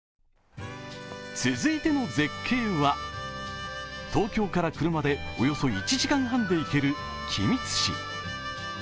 続いての絶景は東京から車でおよそ１時間半で行ける君津市